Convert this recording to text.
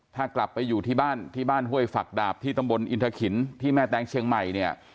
ถ้ากลับไปอยู่ที่บ้านที่บ้านห้วยฝักดาบที่ตำบลอินทะขินที่แม่แตงเชียงใหม่เนี่ย